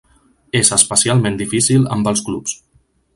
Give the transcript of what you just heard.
És especialment difícil amb els clubs.